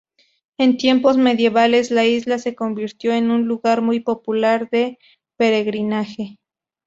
En tiempos medievales, la isla se convirtió en un lugar muy popular de peregrinaje.